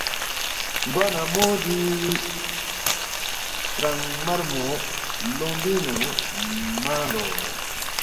گوانہ مو دی ترانگمَرمو لونگبِنگ نُو نانگ لو